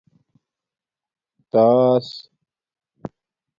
تݳس